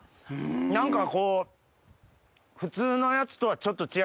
何かこう普通のやつとはちょっと違いますよね。